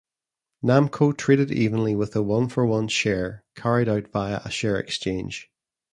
Namco traded evenly with a one-for-one share, carried out via a share exchange.